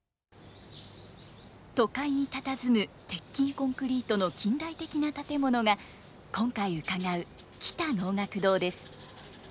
都会にたたずむ鉄筋コンクリートの近代的な建物が今回伺う喜多能楽堂です。